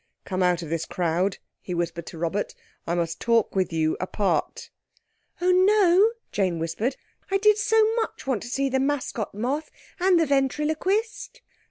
"Come out of this crowd," he whispered to Robert. "I must talk with you apart." "Oh, no," Jane whispered. "I did so want to see the Mascot Moth, and the Ventriloquist."